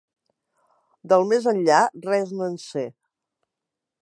Del més enllà res no en sé.